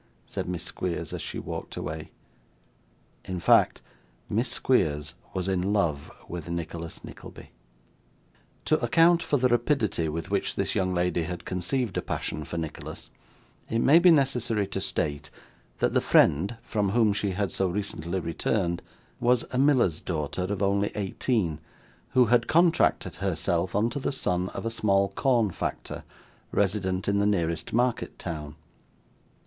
said Miss Squeers, as she walked away. In fact, Miss Squeers was in love with Nicholas Nickleby. To account for the rapidity with which this young lady had conceived a passion for Nicholas, it may be necessary to state, that the friend from whom she had so recently returned, was a miller's daughter of only eighteen, who had contracted herself unto the son of a small corn factor, resident in the nearest market town.